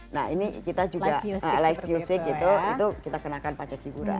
nah ini kita juga live music itu kita kenakan pajak hiburan